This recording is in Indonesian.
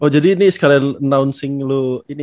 jadi ini sekali announcing lu